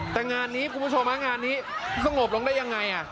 แต่งานนี้คุณผู้ชมงานนี้สงบลงได้ยังไง